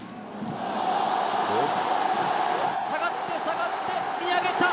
下がって、下がって、見上げた。